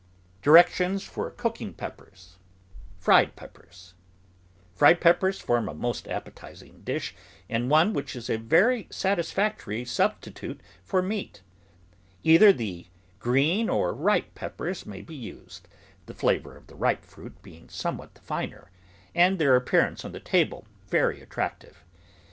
DIRECTIONS FOR COOKING PEPPERS FRIED PEPPERS Fried peppers form a most appetising dish and one which is a very satisfactory substitute for THE GROWING OF VARIOUS VEGETABLES meat. Either the green or ripe peppers may be used, the flavour of the ripe fruit being somewhat the finer, and their appearance on the table very attractive.